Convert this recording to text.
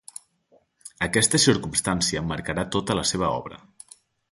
Aquesta circumstància marcarà tota la seva obra.